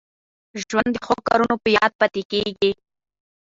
ژوند د ښو کارونو په یاد پاته کېږي.